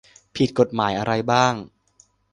ผิดกฎหมายอะไรบ้าง